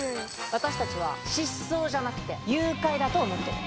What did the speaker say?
私たちは失踪じゃなくて誘拐だと思ってる。